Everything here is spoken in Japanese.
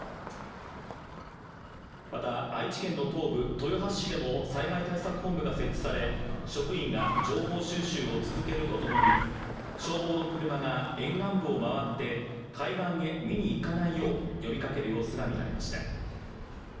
また愛知県の東部・豊橋市でも災害対策本部が設置され、職員が情報収集を続けるとともに、消防の車が沿岸部を回って海岸へ見に行かないよう呼びかける様子が見られました。